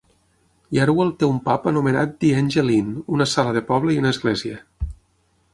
Yarwell té un pub anomenat The Angel Inn, una sala de poble i una església.